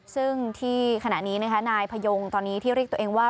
ซึ่งที่ขณะนี้นะคะนายพยงตอนนี้ที่เรียกตัวเองว่า